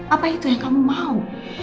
apa itu yang kamu mau